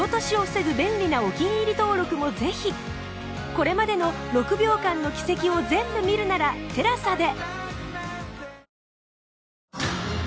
これまでの『６秒間の軌跡』を全部見るなら ＴＥＬＡＳＡ で